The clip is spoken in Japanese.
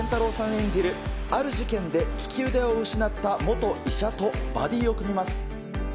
演じるある事件で利き腕を失った元医者とバディを組みます。